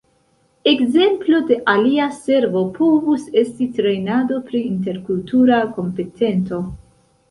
Ekzemplo de alia servo povus esti trejnado pri interkultura kompetento.